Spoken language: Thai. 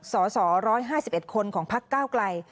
สส๑๕๑คนของพักก้าวไกล